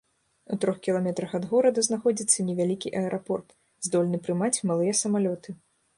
У трох кіламетрах ад горада знаходзіцца невялікі аэрапорт, здольны прымаць малыя самалёты.